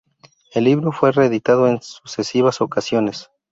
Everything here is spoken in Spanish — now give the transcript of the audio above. El libro fue reeditado en sucesivas ocasiones.